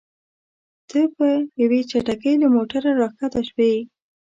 ته په یوې چټکۍ له موټره راښکته شوې.